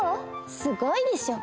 すごいでしょ？